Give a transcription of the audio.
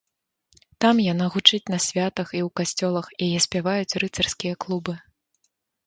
Там яна гучыць на святах і ў касцёлах, яе спяваюць рыцарскія клубы.